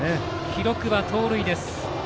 記録は盗塁です。